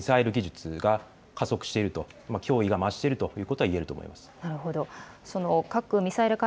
北朝鮮のミサイル技術が加速していると、脅威が増しているということが言えると思います。